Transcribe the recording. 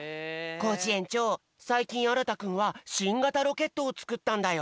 コージ園長さいきんあらたくんはしんがたロケットをつくったんだよ。